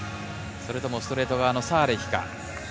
それともストレート側のサーレヒか。